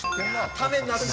ためになるな。